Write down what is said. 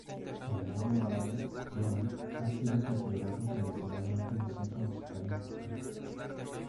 En el mundo árabe, Yemen ha sido considerado tradicionalmente un centro musical importante.